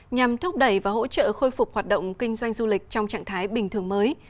nhằm thúc đẩy và hỗ trợ khôi phục hoạt động kinh doanh du lịch trong trạng thái bình thường mới